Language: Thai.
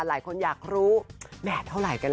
หลายคนอยากรู้แดดเท่าไหร่กันเห